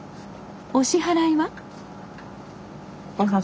お支払いは？